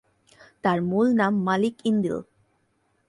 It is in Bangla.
তার মূল নাম মালিক ইনদিল।